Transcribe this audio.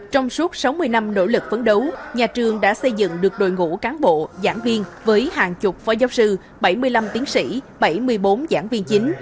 trong suốt sáu mươi năm nỗ lực phấn đấu nhà trường đã xây dựng được đội ngũ cán bộ giảng viên với hàng chục phó giáo sư bảy mươi năm tiến sĩ bảy mươi bốn giảng viên chính